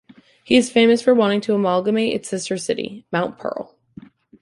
He is famous for wanting to amalgamate its sister city, Mount Pearl.